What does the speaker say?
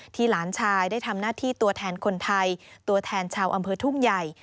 หลานชายได้ทำหน้าที่ตัวแทนคนไทยตัวแทนชาวอำเภอทุ่งใหญ่